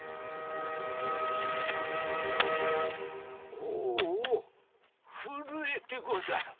おうおう震えてござる。